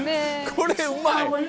これうまい。